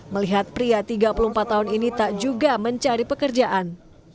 melihat pria tiga puluh empat tahun ini tak juga mencari pekerjaan